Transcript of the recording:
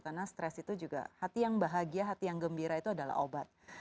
karena stres itu juga hati yang bahagia hati yang gembira itu adalah obat